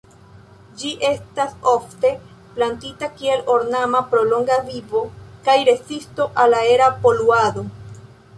Ĝi estas ofte plantita kiel ornama pro longa vivo kaj rezisto al aera poluado.